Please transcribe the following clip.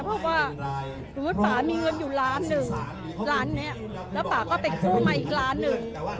บอกว่าสมมุติป่ามีเงินอยู่ล้านหนึ่งล้านนี้แล้วป่าก็ไปกู้มาอีกล้านหนึ่ง